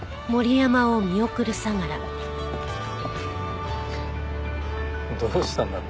フッどうしたんだろう。